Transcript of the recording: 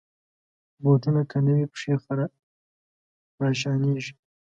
بوټونه که نه وي، پښې خراشانېږي.